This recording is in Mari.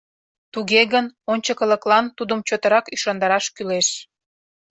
Туге гын, ончыкылыклан тудым чотырак ӱшандараш кӱлеш.